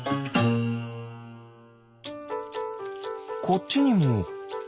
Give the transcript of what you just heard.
こっちにもハチ？